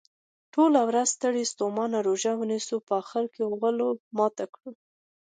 ټوله ورځ ستړي ستوماته روژه ونیسو په اخرکې یې په غولو ماته کړو.